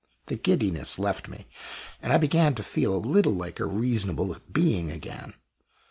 The giddiness left me, and I began to feel a little like a reasonable being again.